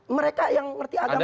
mereka yang mengerti agama sudah ada